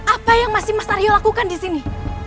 apa yang masih mas aryo lakukan disini